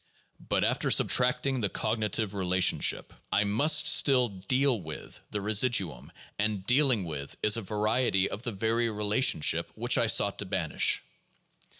But after subtracting the cognitive rela tionship, I must still '' deal with '' the residuum ; and '' dealing with '' is a variety of the very relationship which I sought to banish.